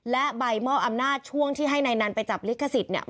และใบมอบอำนาจช่วงที่ให้นายนันไปจับลิขสิทธิ์เนี่ย